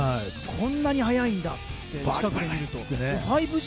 こんなに速いんだって間近で見ると。